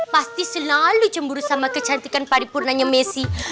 pasti selalu cemburu sama kecantikan paripurnanya messi